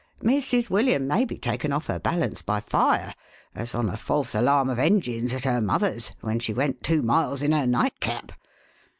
Mrs. William may be taken off her balance by Fire ; as on a false alarm of engines at her 42* THE HAUNTED MAN. mother's, when she went two miles in her nightcap.